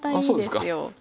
そうですか？